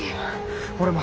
俺も